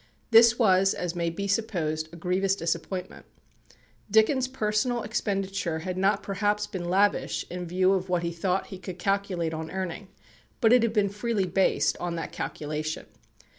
This was, as may be supposed, a grievous disappointment. Dickens' personal expenditure had not perhaps been lavish in view of what he thought he could calculate on earning; but it had been freely based on that calculation.